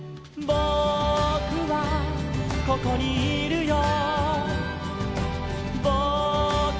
「ぼくはここにいるよ」